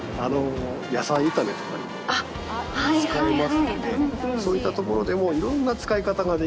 野菜炒めとかにも使えますのでそういったところでも色んな使い方ができるので。